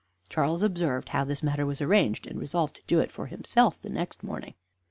Charles observed how this matter was arranged, and resolved to do it for himself the next morning.